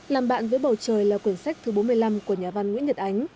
làm bạn với bầu trời là cuốn sách thứ bốn mươi năm của nhà văn nguyễn nhật ánh